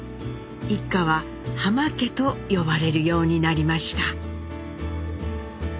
一家は「浜家」と呼ばれるようになりました。